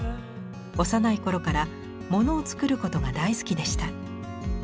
幼い頃からものを作ることが大好きでした。